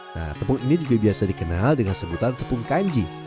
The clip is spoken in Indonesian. nah tepung ini juga biasa dikenal dengan sebutan tepung kanji